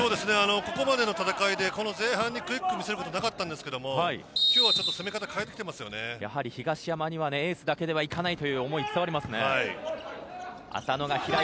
ここまでの戦いで前半にクイックを見せることありませんでしたが今日は、攻め方を東山にはエースだけではいかないという思いが伝わってきますね。